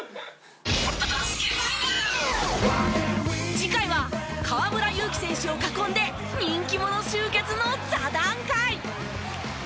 次回は河村勇輝選手を囲んで人気者集結の座談会！